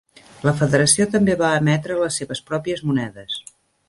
La Federació també va emetre les seves pròpies monedes.